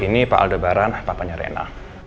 ini pak aldebaran papanya rena